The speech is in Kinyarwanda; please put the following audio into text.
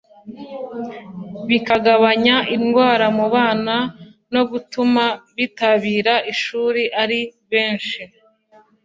bikagabanya indwara mu bana no gutuma bitabira ishuri ari benshi